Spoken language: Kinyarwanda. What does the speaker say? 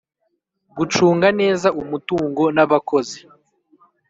Gucunga neza umutungo n abakozi.